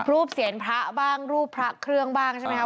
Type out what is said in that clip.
เสียนพระบ้างรูปพระเครื่องบ้างใช่ไหมครับ